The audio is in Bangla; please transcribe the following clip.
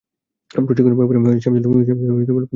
প্রশিক্ষণের ব্যাপারে স্যাম ছিল খুবই নিয়মনিষ্ঠ।